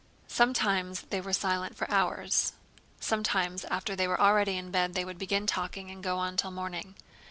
Sometimes they were silent for hours; sometimes after they were already in bed they would begin talking and go on till morning.